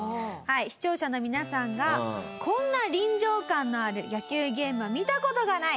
視聴者の皆さんが「こんな臨場感のある野球ゲームは見た事がない！」。